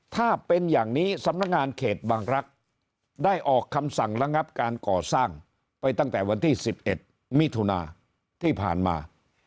ถ้าเป็นอย่างนี้สำนักงานเขตบางรักษ์ได้ออกคำสั่งระงับการก่อสร้างไปตั้งแต่วันที่๑๑มิถุนาที่ผ่านมา